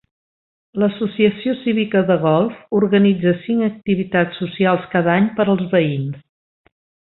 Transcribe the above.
L'Associació Cívica de Golf organitza cinc activitats socials cada any per als veïns.